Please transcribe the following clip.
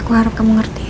aku harap kamu ngerti ya